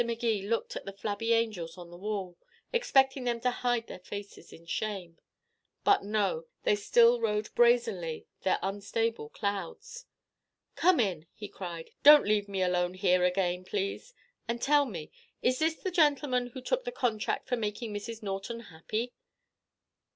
Magee looked at the flabby angels on the wall, expecting them to hide their faces in shame. But no, they still rode brazenly their unstable clouds. "Come in," he cried. "Don't leave me alone here again, please. And tell me is this the gentleman who took the contract for making Mrs. Norton happy?"